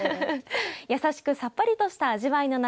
やさしくさっぱりとした味わいの梨。